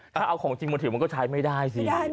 ถ้าเอาของจริงมาถือมันก็ใช้ไม่ได้สิ